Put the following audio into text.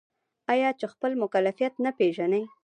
آیا چې خپل مکلفیت نه پیژني؟